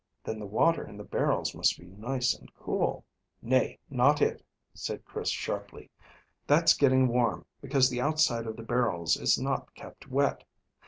Then the water in the barrels must be nice and cool." "Nay, not it," said Chris sharply. "That's getting warm, because the outside of the barrels is not kept wet.